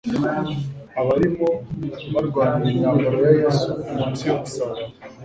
Abarimo barwanira imyambaro ya Yesu munsi y'umusaraba,